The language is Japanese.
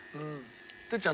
哲ちゃん